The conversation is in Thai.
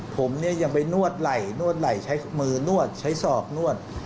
ผมเนี่ยยังไปนวดไหล่นวดไหล่ใช้มือนวดใช้ศอกนวด